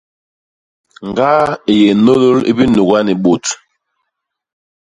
Ñgaa i yé nôlôl i binuga ni bôt.